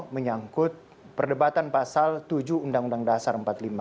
menyangkut perdebatan pasal tujuh uu dasar empat puluh lima